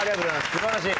すばらしい。